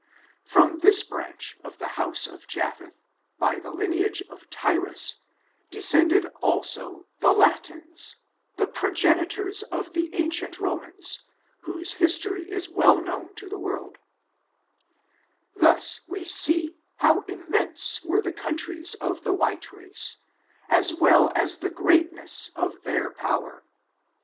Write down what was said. From this branch of the house of Japheth, by the lineage of Tiras, descended also the LaiinSj (ho prc^enitors ^i^i^r^^Mi^^i^^* 276 ORIGIN, CHARACTER, AND of the ancient Romans, whose history is well known to the world. Thus we see, how immense were the countries of the white race, as well as the greatness of their pow er.